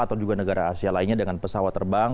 atau juga negara asia lainnya dengan pesawat terbang